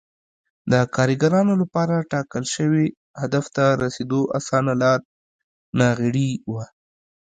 د کارګرانو لپاره ټاکل شوي هدف ته رسېدو اسانه لار ناغېړي وه